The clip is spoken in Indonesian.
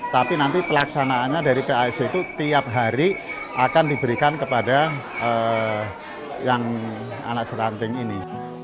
tapi nanti pelaksanaannya dari pic itu tiap hari akan diberikan kepada yang anak stunting ini